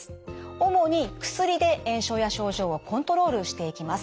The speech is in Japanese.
主に薬で炎症や症状をコントロールしていきます。